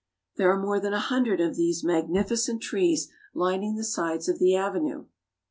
There are more than a hundred of these magnificent trees lining the sides of the avenue.